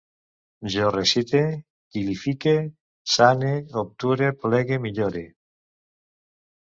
Jo recite, quilifique, sane, obture, plegue, millore